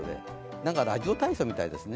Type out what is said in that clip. なんかラジオ体操みたいですね。